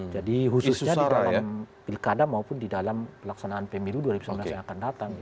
jadi khususnya di dalam pilkada maupun di dalam pelaksanaan pemilu dua ribu sembilan belas yang akan datang